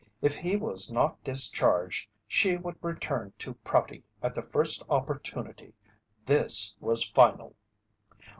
If he was not discharged she would return to Prouty at the first opportunity. This was final.